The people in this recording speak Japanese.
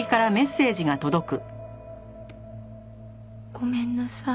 「ごめんなさい」